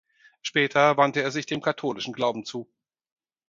Später wandte er sich dem katholischen Glauben zu.